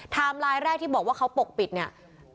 ไลน์แรกที่บอกว่าเขาปกปิดเนี่ย